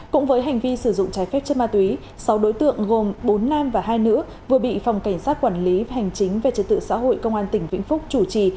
cũng với hành vi sử dụng trái phép chất ma túy sáu đối tượng gồm bốn nam và hai nữ vừa bị phòng cảnh sát quản lý hành chính về trật tự xã hội công an tỉnh vĩnh phúc chủ trì